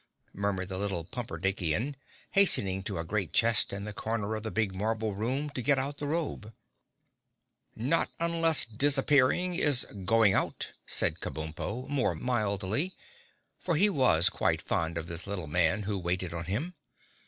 murmured the little Pumperdinkian, hastening to a great chest in the corner of the big marble room, to get out of the robe. "Not unless disappearing is going out," said Kabumpo more mildly, for he was quite fond of this little man who waited on him.